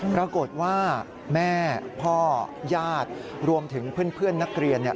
ปรากฏว่าแม่พ่อญาติรวมถึงเพื่อนนักเรียนเนี่ย